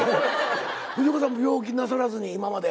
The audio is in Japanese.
藤岡さん病気なさらずに今まで。